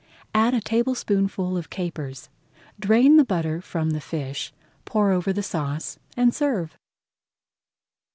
Add a tablespoonful of capers, drain the butter from the fish, pour over the sauce, and serve.